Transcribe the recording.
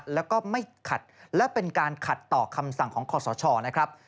แล้วก็ไม่ขัดและเป็นการขัดต่อคำสั่งของคอสชนะครับ